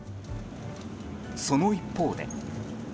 その一方で。